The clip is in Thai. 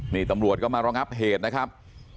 นี่ตำรวจก็มารองับเหตุนะครับ